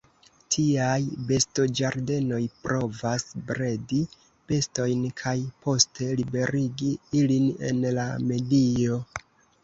Tiaj bestoĝardenoj provas bredi bestojn kaj poste liberigi ilin en la medio.